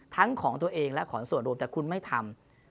ของตัวเองและของส่วนรวมแต่คุณไม่ทำ